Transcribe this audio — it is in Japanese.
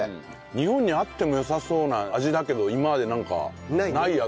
日本にあってもよさそうな味だけど今までなんかないやつ。